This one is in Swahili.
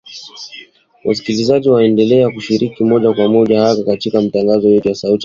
Wasikilizaji waendelea kushiriki moja kwa moja hasa katika matangazo yetu ya Sauti ya Amerika.